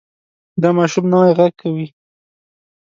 دا ماشوم نوی غږ کوي.